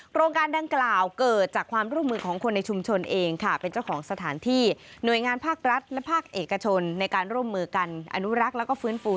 โครงการดังกล่าวเกิดจากความร่วมมือของคนในชุมชนเองค่ะเป็นเจ้าของสถานที่หน่วยงานภาครัฐและภาคเอกชนในการร่วมมือกันอนุรักษ์แล้วก็ฟื้นฟู